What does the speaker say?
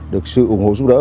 được sự ủng hộ giúp đỡ